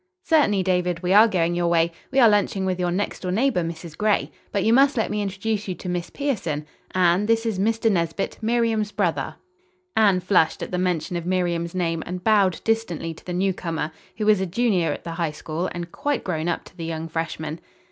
"Certainly, David, we are going your way. We are lunching with your next door neighbor, Mrs. Gray. But you must let me introduce you to Miss Pierson. Anne, this is Mr. Nesbit, Miriam's brother." Anne flushed at the mention of Miriam's name and bowed distantly to the newcomer, who was a junior at the High School and quite grown up to the young freshmen.